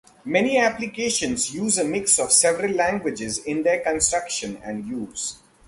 Many applications use a mix of several languages in their construction and use.